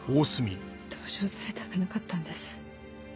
同情されたくなかったんです。